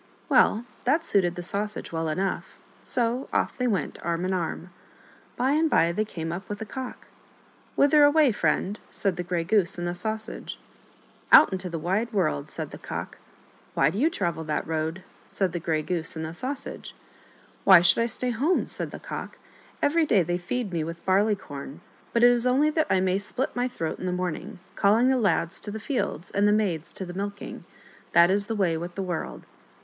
Well, that suited the Sausage well enough, so off they went, arm in arm. By and by they came up with a cock. " Whither away, friend ?" said the Grey Goose and the Sausage. 42 HOW THREE WENT OUT INTO THE WIDE WORLD. " Out into the wide world," said the Cock. " Why do you travel that road ?'* said the Grey Goose and the Sausage. " Why should I stay at home ?" said the Cock. " Every day they feed me with barley corn, but it is only that I may split my throat in the morn ings, calling the lads to the fields and the maids to the milking. That is the way with the world."